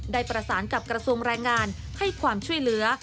ได้ประสานกับกระทรวงแรงงานให้ความช่วยเหลือ